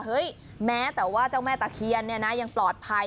แม้แต่ว่าเจ้าแม่ตะเคียนเนี่ยนะยังปลอดภัย